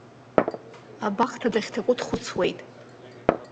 Абахҭа дахьҭаку дхәыцуеит.